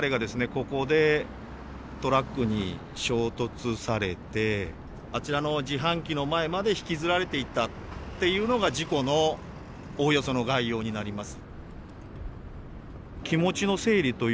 ここでトラックに衝突されてあちらの自販機の前まで引きずられていったっていうのが事故のおおよその概要になります。